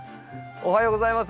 おはようございます。